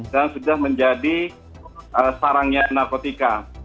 dan sudah menjadi sarangnya narkotika